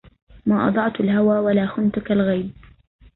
ما أضعت الهوى ولا خنتك الغيب